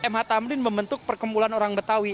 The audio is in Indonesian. m h tamrin membentuk perkembulan orang betawi